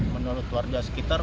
menurut warga sekitar